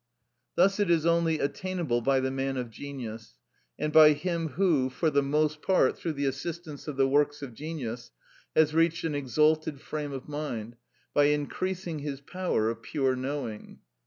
Thus it is only attainable by the man of genius, and by him who, for the most part through the assistance of the works of genius, has reached an exalted frame of mind, by increasing his power of pure knowing.